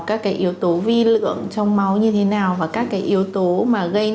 các cái yếu tố vi lượng trong máu như thế nào và các cái yếu tố mà gây